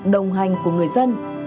đồng hành của người dân